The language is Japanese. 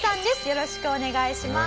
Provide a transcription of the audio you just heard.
よろしくお願いします。